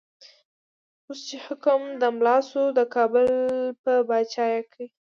اوس چی حکم د ملا شو، د کابل په با چايې کی